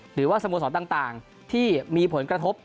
หรือว่าสโมสรต่างที่มีผลกระทบ